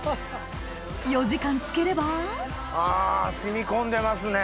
４時間漬ければあ染み込んでますね。